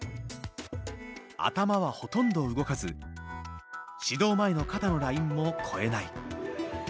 頭はほとんど動かず始動前の肩のラインも越えない。